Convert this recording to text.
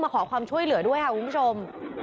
ขอความช่วยเหลือด้วยค่ะคุณผู้ชม